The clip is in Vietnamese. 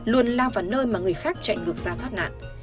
luôn lao vào nơi mà người khác chạy ngược ra thoát nạn